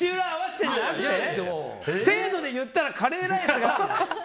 せーので言ったらカレーライスが。